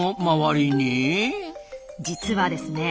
実はですね